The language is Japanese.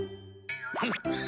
フン！